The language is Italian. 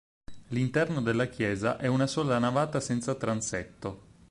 L'interno della chiesa è a una sola navata senza transetto.